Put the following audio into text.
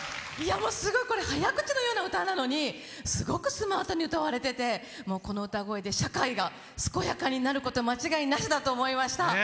早口のような歌なのにすごくスマートに歌われててこの歌声で社会が健やかになること間違いなしだと思いました。